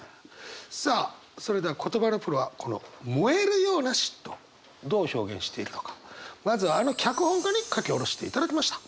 さあそれでは言葉のプロはこの燃えるような嫉妬どう表現しているのかまずはあの脚本家に書き下ろしていただきました。